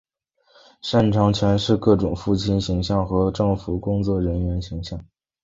擅长诠释各种父亲形象和政府工作人员形象。